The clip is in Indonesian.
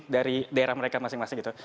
dari daerah mereka masing masing gitu